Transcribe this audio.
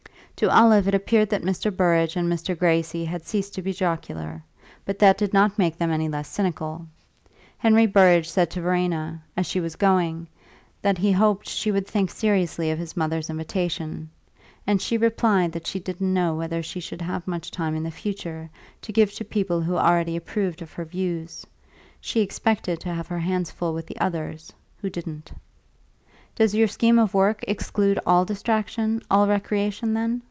To Olive it appeared that Mr. Burrage and Mr. Gracie had ceased to be jocular; but that did not make them any less cynical. Henry Burrage said to Verena, as she was going, that he hoped she would think seriously of his mother's invitation; and she replied that she didn't know whether she should have much time in the future to give to people who already approved of her views: she expected to have her hands full with the others, who didn't. "Does your scheme of work exclude all distraction, all recreation, then?"